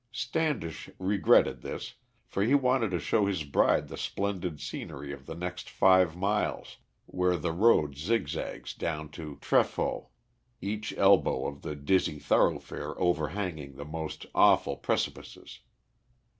Standish regretted this, for he wanted to show his bride the splendid scenery of the next five miles where the road zigzags down to Trefoi, each elbow of the dizzy thoroughfare overhanging the most awful precipices.